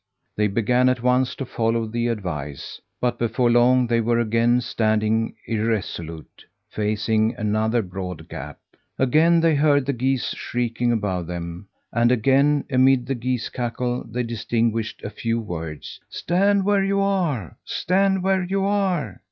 They began at once to follow the advice; but before long they were again standing irresolute, facing another broad gap. Again they heard the geese shrieking above them, and again, amid the geese cackle, they distinguished a few words: "Stand where you are! Stand where you are!"